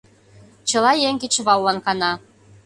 Чыла еҥ кечываллан кана.